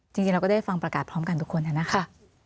จริงเราก็ได้ฟังประกาศพร้อมกันทุกคนนะครับ